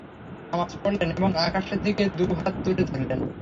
নামায পড়লেন এবং আকাশের দিকে দু হাত তুলে ধরলেন।